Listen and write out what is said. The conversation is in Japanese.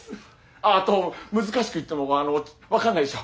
あと難しく言っても分かんないでしょ